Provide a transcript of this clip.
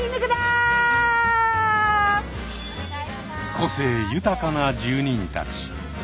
個性豊かな住人たち。